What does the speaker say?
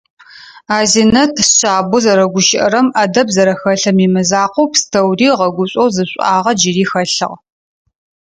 Азинэт шъабэу зэрэгущыӏэрэм, ӏэдэб зэрэхэлъым имызакъоу, пстэури ыгъэгушӏоу зы шӏуагъэ джыри хэлъыгъ.